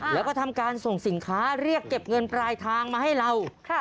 แล้วก็ทำการส่งสินค้าเรียกเก็บเงินปลายทางมาให้เรา